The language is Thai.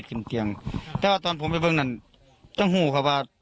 เอเรียดหลากแม่ข้างนอก